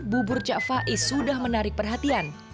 bubur cak faiz sudah menarik perhatian